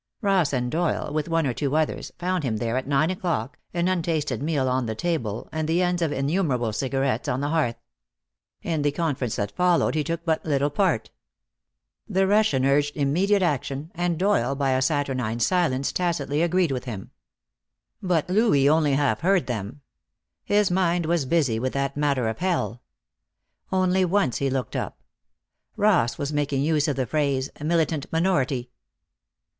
Ross and Doyle, with one or two others, found him there at nine o'clock, an untasted meal on the table, and the ends of innumerable cigarettes on the hearth. In the conference that followed he took but little part. The Russian urged immediate action, and Doyle by a saturnine silence tacitly agreed with him. But Louis only half heard them. His mind was busy with that matter of hell. Only once he looked up. Ross was making use of the phrase: "Militant minority."